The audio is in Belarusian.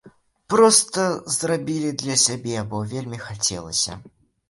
Проста зрабілі для сябе, бо вельмі хацелася.